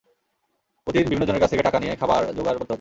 প্রতিদিন বিভিন্ন জনের কাছ থেকে টাকা নিয়ে খাবার জোগাড় করতে হচ্ছে।